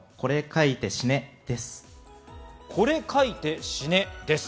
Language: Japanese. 『これ描いて死ね』です。